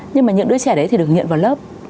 nhưng mà những đứa trẻ đấy thì được nhận vào lớp